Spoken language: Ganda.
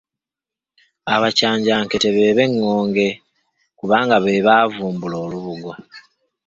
Abakyanjankete be b’Eŋŋonge kubanga be baavumbula olubugo.